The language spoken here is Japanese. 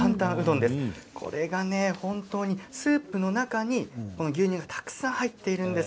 これが本当にスープの中にこの牛乳がたくさん入っているんです。